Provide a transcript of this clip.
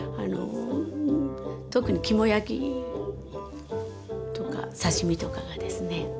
特に肝焼きとか刺身とかがですね。